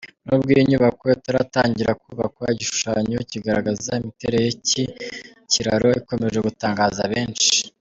Nubwo iyi nyubako itaratangira kubakwa, igishushanyo kigaragaza imitere y’iki kiraro ikomeje gutangaza benshi.